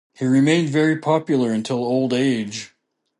He remained very popular until old age.